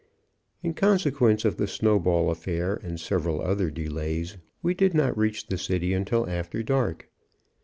In consequence of the snowball affair and several other delays, we did not reach the city until after dark.